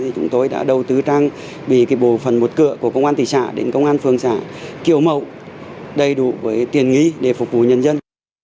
chúng tôi đã đầu tư trang bị bộ phần một cửa của công an tỉ xã đến công an phường xã kiểu mẫu đầy đủ với tiền nghỉ để phục vụ nhân dân